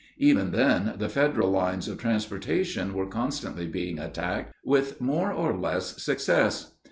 Even then the Federal lines of transportation were constantly being attacked, with more or less success.